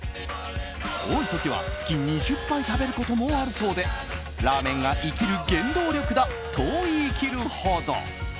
多い時は月２０杯食べることもあるそうでラーメンが生きる原動力だと言い切るほど。